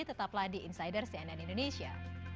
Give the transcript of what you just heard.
tetaplah di insider cnn indonesia